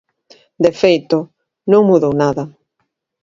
De feito, non mudou nada.